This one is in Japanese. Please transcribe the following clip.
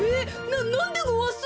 ななんでごわす？